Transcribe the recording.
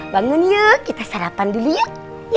bangun yuk kita sarapan dulu yuk